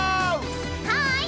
はい！